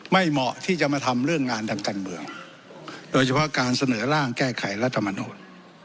เหมาะที่จะมาทำเรื่องงานทางการเมืองโดยเฉพาะการเสนอร่างแก้ไขรัฐมนูล